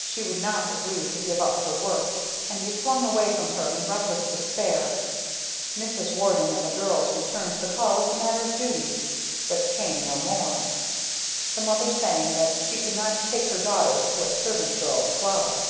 She would not agree to give up her work, and he flung away from her in reckless despair. Mrs. Warden and the girls returned the call as a matter of duty, but came no more; the mother saying that she could not take her daughters to a Servant Girls' Club.